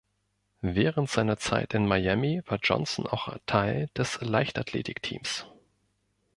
Während seiner Zeit in Miami war Johnson auch Teil des Leichtathletikteams.